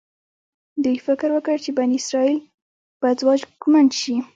دوی فکر وکړ چې بني اسرایل به ځواکمن شي.